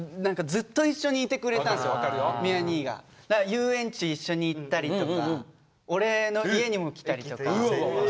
遊園地一緒に行ったりとか俺の家にも来たりとか。